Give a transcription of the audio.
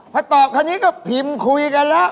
พอตอบคันนี้ก็พิมพ์คุยกันแล้ว